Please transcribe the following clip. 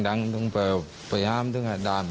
ถ้าเคยไปเตือน่ะสมัยย